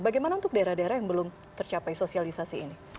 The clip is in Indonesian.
bagaimana untuk daerah daerah yang belum tercapai sosialisasi ini